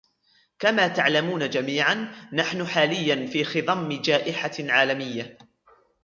كما تعلمون جميعاً، نحن حالياً في خضمّ جائحة عالمية.